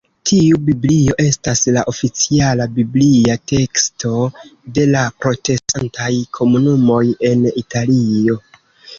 Tiu Biblio estas la oficiala biblia teksto de la protestantaj komunumoj en Italio.